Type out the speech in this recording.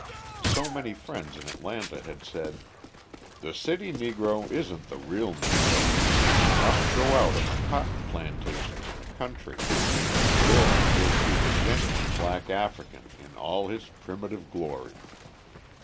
So many friends in Atlanta had said: "The city Negro isn't the real Negro. You must go out on the cotton plantations in the country; there you'll see the genuine black African in all his primitive glory."